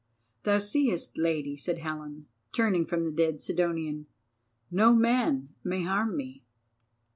"Thou seest, Lady," said Helen, turning from the dead Sidonian, "no man may harm me."